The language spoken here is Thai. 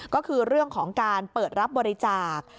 ก็คือเรื่องของการเปิดรับบริจาค